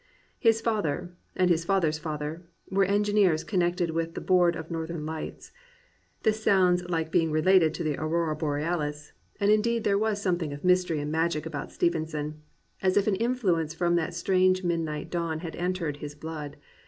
His father, and his father's father, were engineers connected with the Board of Northern Lights. This sounds like being related to the Aurora Borealis; and indeed there was something of mystery and magic about Stevenson, as if an influence from that strange midnight dawn had entered his blood.